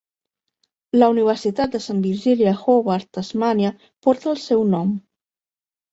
La Universitat de Sant Virgili a Hobart, Tasmània, porta el seu nom.